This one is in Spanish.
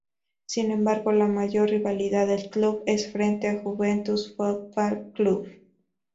Sin embargo, la mayor rivalidad del club es frente al Juventus Football Club.